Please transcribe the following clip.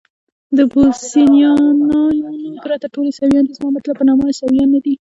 د بوسنیایانو پرته ټول عیسویان دي، زما مطلب په نامه عیسویان نه دي.